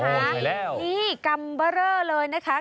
โอ้ยอยู่แล้วนี่กำเบอร์เลอร์เลยนะคะ